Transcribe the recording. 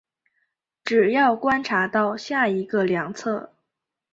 只要观察到下一个量测。